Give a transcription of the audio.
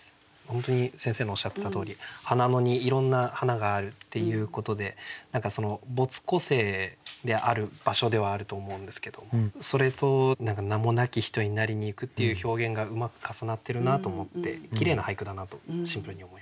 本当に先生のおっしゃってたとおり花野にいろんな花があるっていうことで何かその没個性である場所ではあると思うんですけどそれと「名もなき人になりにゆく」っていう表現がうまく重なってるなと思ってきれいな俳句だなとシンプルに思いました。